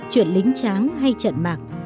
chuyện lính tráng hay trận mạc